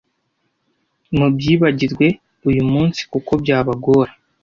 mubyibagirwe uy umunsi kuko byabagora